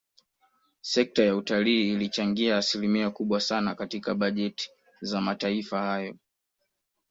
Sekta ya utalii inachangia asilimia kubwa sana katika bajeti za mataifa hayo